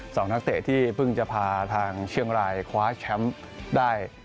นักเตะที่เพิ่งจะพาทางเชียงรายคว้าแชมป์ได้